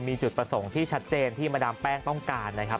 มีจุดประสงค์ที่ชัดเจนที่มาดามแป้งต้องการนะครับ